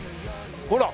ほら！